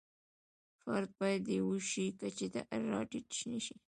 فرد باید د یوه شي کچې ته را ټیټ نشي.